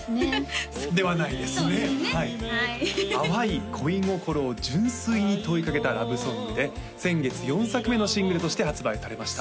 そうですねはい淡い恋心を純粋に問いかけたラブソングで先月４作目のシングルとして発売されました